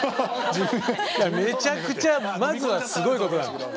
めちゃくちゃまずはすごいこと。